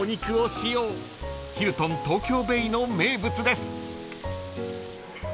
［ヒルトン東京ベイの名物です］